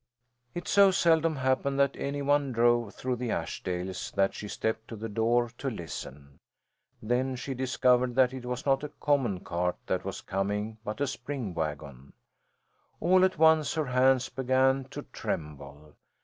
It so seldom happened that any one drove through the Ashdales that she stepped to the door to listen. Then she discovered that it was not a common cart that was coming, but a spring wagon. All at once her hands began to tremble.